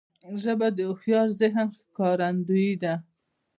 ژبه د هوښیار ذهن ښکارندوی ده